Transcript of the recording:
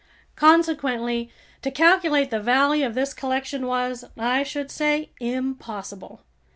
Consequently, to calculate the value of this collection was, I should say, impossible.